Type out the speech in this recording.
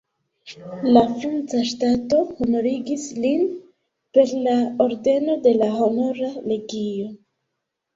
La franca ŝtato honorigis lin per la ordeno de la Honora Legio.